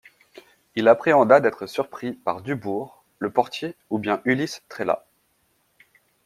Il appréhenda d'être surpris par Dubourg, le portier ou bien Ulysse Trélat.